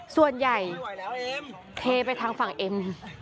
ส่วนใหญ่เทไปทางฝั่งเอ็ม